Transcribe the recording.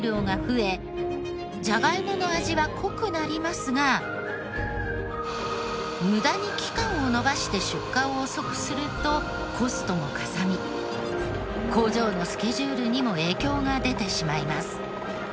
これによって無駄に期間を延ばして出荷を遅くするとコストもかさみ工場のスケジュールにも影響が出てしまいます。